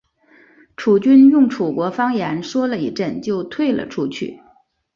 楚军用楚国方言说了一阵就退了出去。